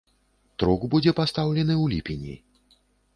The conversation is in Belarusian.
Трук будзе пастаўлены ў ліпені.